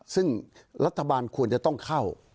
ซึ่งรัฐบาลควรจะต้องเข้า